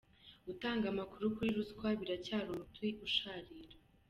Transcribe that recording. Gutanga amakuru kuri ruswa biracyari umuti usharira